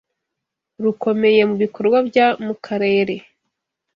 rukomeye mu bikorwa bya mu karere